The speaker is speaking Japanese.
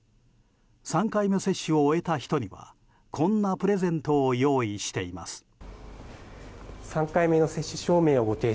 ３回目接種を終えた人にはこんなプレゼントを用意しています。